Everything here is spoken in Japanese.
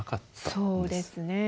そうですね。